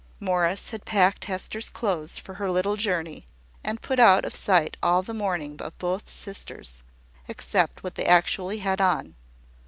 Morris had packed Hester's clothes for her little journey, and put out of sight all the mourning of both sisters, except what they actually had on.